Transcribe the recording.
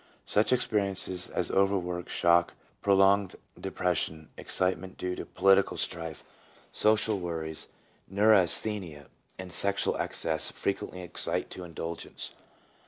Such experiences as overwork, shock, prolonged de pression, excitement due to political strife, social worries, neurasthenia, and sexual excess frequently excite to indulgence.